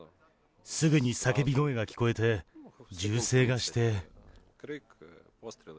すぐに叫び声が聞こえて、銃声がして。